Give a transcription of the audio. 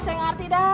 saya ngerti dah